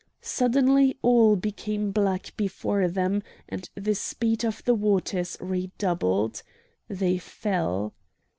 Suddenly all became black before them, and the speed of the waters redoubled. They fell.